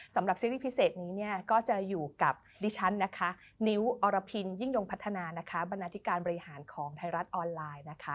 สำหรับซีรีส์พิเศษนี้ก็จะอยู่กับดิฉันนิ้วอรพินยิ่งยงพัฒนาบรรณาธิการบริหารของไทยรัฐออนไลน์